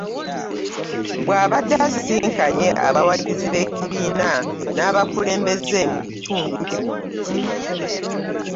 Bw'abadde asisinkanye abawagizi b'ekibiina n'abakulembeze mu kitundu kino.